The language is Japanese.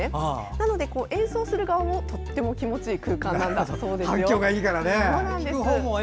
なので、演奏する側もとても気持ちいい空間なんだそうですよ。